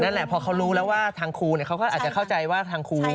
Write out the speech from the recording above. นั่นแหละพอเขารู้แล้วว่าทางครูเขาก็อาจจะเข้าใจว่าทางครู